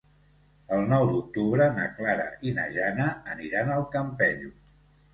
El nou d'octubre na Clara i na Jana aniran al Campello.